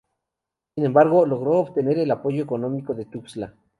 Sin embargo, logró obtener el apoyo económico de Tuxtla.